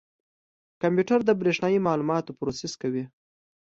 کمپیوټر د برېښنایي معلوماتو پروسس کوي.